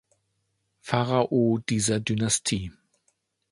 Pharao dieser Dynastie.